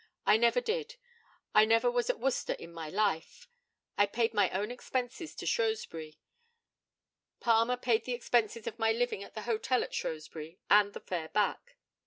I never did. I never was at Worcester in my life. I paid my own expenses to Shrewsbury. Palmer paid the expenses of my living at the hotel at Shrewsbury, and the fare back.